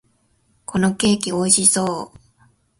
このケーキ、美味しそう！